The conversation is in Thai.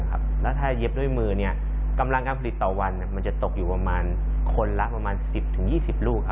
แล้วถ้าเย็บด้วยมือกำลังการผลิตต่อวันมันจะตกอยู่ประมาณคนละประมาณ๑๐๒๐ลูก